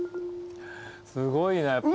すごいなやっぱ。